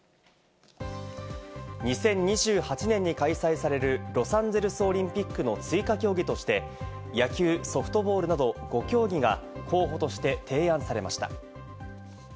２０２８年に開催されるロサンゼルスオリンピックの追加競技として野球、ソフトボールなど５競技が候補として提案されました。